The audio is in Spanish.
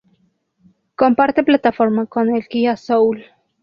Comparte plataforma con el Kia Soul.